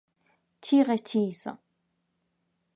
تیغ تیز